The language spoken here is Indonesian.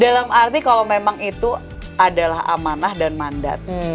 dalam arti kalau memang itu adalah amanah dan mandat